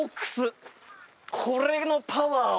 これのパワーを。